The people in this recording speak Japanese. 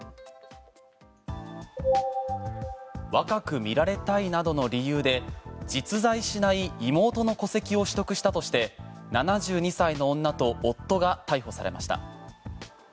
若く見られたいなどの理由で実在しない妹の戸籍を取得したとして７２歳の女と夫が逮捕されました。